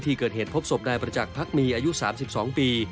ที่เกิดเหตุพบศพนายประจักษ์พักมีอายุ๓๒ปี